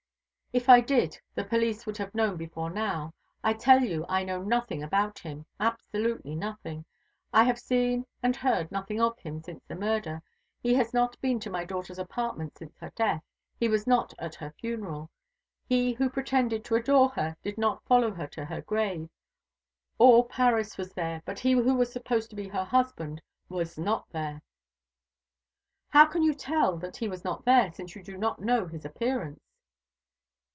"If I did, the police would have known before now. I tell you I know nothing about him absolutely nothing. I have seen and heard nothing of him since the murder. He has not been to my daughter's apartment since her death he was not at her funeral. He who pretended to adore her did not follow her to her grave. All Paris was there; but he who was supposed to be her husband was not there." "How can you tell that he was not there, since you do not know his appearance?"